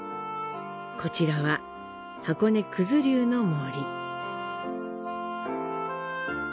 こちらは「箱根九頭龍の森」。